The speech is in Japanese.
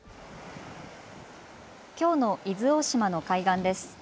きょうの伊豆大島の海岸です。